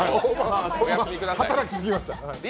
働きすぎました。